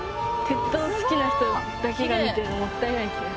鉄塔好きな人だけが見てるのもったいない気がする。